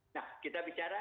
nah kita bicara